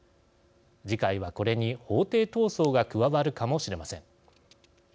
次回はこれに法廷闘争が加わるかもしれません。